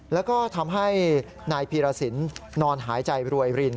แล้วก็ทำให้นายพีรสินนอนหายใจรวยริน